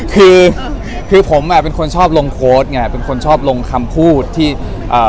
คือคือผมอ่ะเป็นคนชอบลงโพสต์ไงเป็นคนชอบลงคำพูดที่เอ่อ